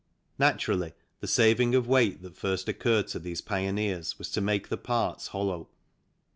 Naturally, the saving of weight that first occurred to these pioneers was to make the parts hollow.